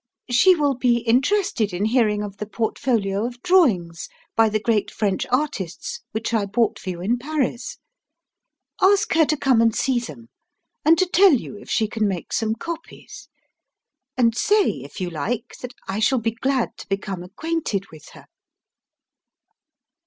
"She will be interested in hearing of the portfolio of drawings by the great French artists which I bought for you in Paris. Ask her to come and see them, and to tell you if she can make some copies; and say, if you like, that I shall be glad to become acquainted with her."